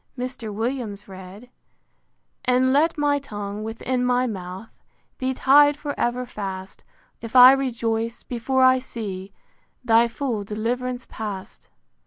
Mr. Williams read: VI. And let my tongue, within my mouth, Be ty'd for ever fast, If I rejoice, before I see Thy full deliv'rance past.